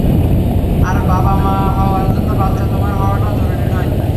আর বাবা-মা হওয়ার জন্যে বাচ্চা তোমার হওয়াটাও জরুরি নয়।